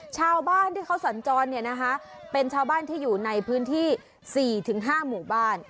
ชาวบ้านที่เขาสัญจรเป็นชาวบ้านที่อยู่ในพื้นที่๔๕หมู่บ้าน